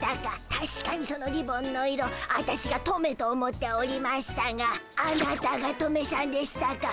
たしかにそのリボンの色ワタシがトメと思っておりましたがあなたがトメさんでしたか。